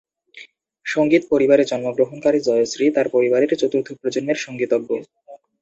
সঙ্গীত পরিবারে জন্মগ্রহণকারী জয়শ্রী তার পরিবারের চতুর্থ প্রজন্মের সঙ্গীতজ্ঞ।